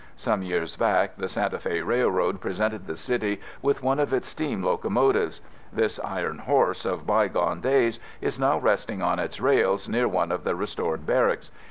Some years back the Santa Fe Railroad presented the City with one of its steam locomotives. This "Iron Horse" of bygone days is now resting on its rails near one of the restored Barracks.